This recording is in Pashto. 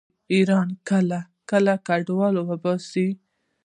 ایران کله کله کډوال وباسي.